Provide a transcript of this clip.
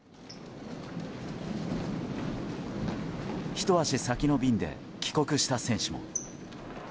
ひと足先の便で帰国した選手も。